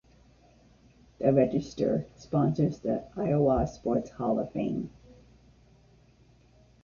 The "Register" sponsors the Iowa Sports Hall of Fame.